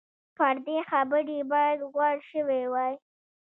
پر دې خبرې باید غور شوی وای.